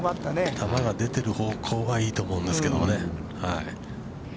◆球が出てる方向はいいと思うんですけどね。